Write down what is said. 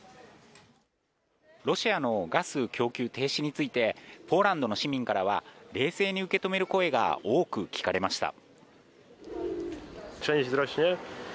ロシアのガス供給停止についてポーランドの市民からは冷静に受け止める声が多く聞かれました。